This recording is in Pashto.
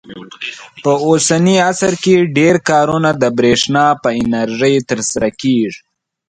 په اوسني عصر کې ډېر کارونه د برېښنا په انرژۍ ترسره کېږي.